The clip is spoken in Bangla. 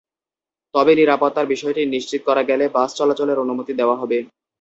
তবে নিরাপত্তার বিষয়টি নিশ্চিত করা গেলে বাস চলাচলের অনুমতি দেওয়া হবে।